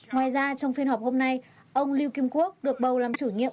ngoài ra trong phiên họp hôm nay ông lưu kim quốc được bầu làm chủ nhiệm